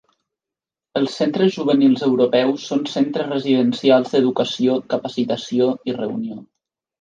Els Centres Juvenils Europeus són centres residencials d'educació, capacitació i reunió.